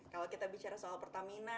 kalau kita bicara soal pertamina